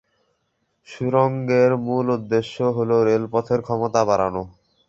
সুড়ঙ্গের মূল উদ্দেশ্য হ'ল রেলপথের ক্ষমতা বাড়ানো।